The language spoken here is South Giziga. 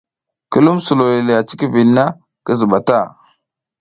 Ki lum suloy le a cikiviɗ na, ki ziɓa ta.